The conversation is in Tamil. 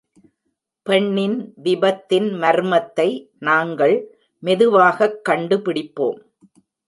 பெண்ணின் விபத்தின் மர்மத்தை நாங்கள் மெதுவாகக் கண்டுபிடிப்போம்.